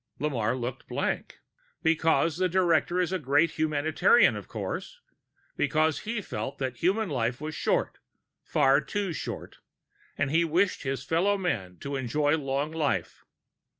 Lamarre looked blank. "Because the director was a great humanitarian, of course. Because he felt that the human life was short, far too short, and he wished his fellow men to enjoy long life.